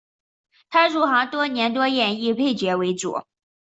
他入行多年多演绎配角为主。